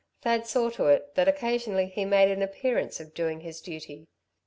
Thad saw to it that occasionally he made an appearance of doing his duty.